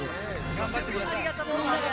頑張ってください。